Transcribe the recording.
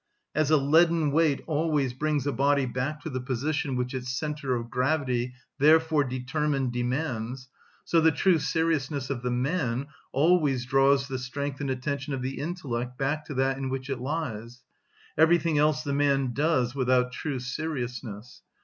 As a leaden weight always brings a body back to the position which its centre of gravity thereby determined demands, so the true seriousness of the man always draws the strength and attention of the intellect back to that in which it lies; everything else the man does without true seriousness.